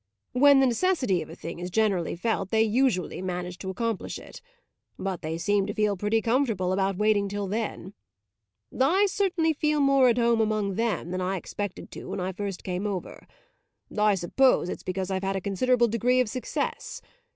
When the necessity of a thing is generally felt they usually manage to accomplish it; but they seem to feel pretty comfortable about waiting till then. I certainly feel more at home among them than I expected to when I first came over; I suppose it's because I've had a considerable degree of success.